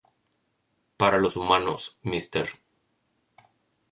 Para los humanos, Mr.